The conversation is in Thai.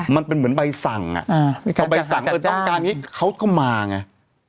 มันเป็นเหมือนใบสั่งเอาใบสั่งต้องการนี้เขาก็มาไง